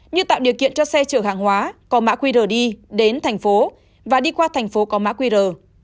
như tạo điều kiện cho xe chở hàng hóa có mã qr đi đến thành phố và đi qua thành phố có mã qr